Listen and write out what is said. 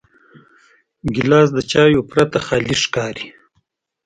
ګیلاس د چایو پرته خالي ښکاري.